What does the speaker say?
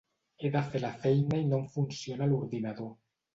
He de fer la feina i no em funciona l'ordinador.